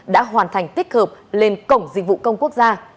đã hoàn thành tích hợp lên cổng dịch vụ công quốc gia